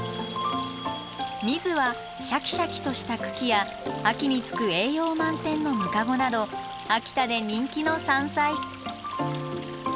ミズはシャキシャキとした茎や秋につく栄養満点のムカゴなど秋田で人気の山菜。